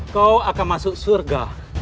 kau akan masuk surga